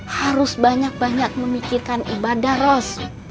harus banyak banyak memikirkan ibadah ros